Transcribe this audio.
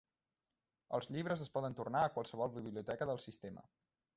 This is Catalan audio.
Els llibres es poden tornar a qualsevol biblioteca del sistema.